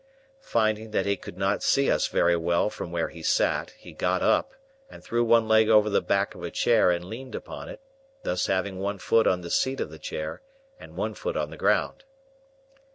Finding that he could not see us very well from where he sat, he got up, and threw one leg over the back of a chair and leaned upon it; thus having one foot on the seat of the chair, and one foot on the ground.